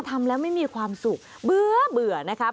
ทำแล้วไม่มีความสุขเบื่อนะคะ